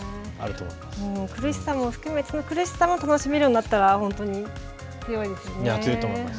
苦しさも含め、苦しさも楽しめるようになったら本当に強いですよね。